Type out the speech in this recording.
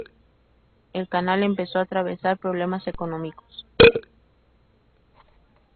El canal empezó a atravesar problemas económicos.